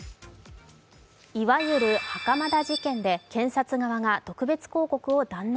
いわゆる袴田事件で検察側が特別抗告を断念。